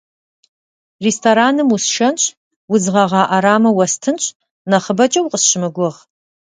Рестораным усшэнщ, удз гъэгъа ӏэрамэ уэстынщ, нэхъыбэкӏэ укъысщымыгугъ.